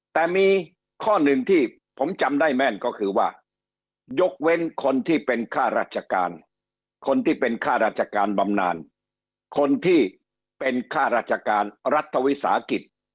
แต่มีข้อหนึ่งที่ผมจำได้แม่นก็คือว่ายกเว้นคนที่เป็นค่าราชการคนที่เป็นค่าราชการบำนานคนที่เป็นค่าราชการรัฐวิสาหกิจ